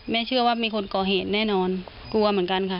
เชื่อว่ามีคนก่อเหตุแน่นอนกลัวเหมือนกันค่ะ